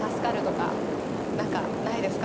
なんかないですか？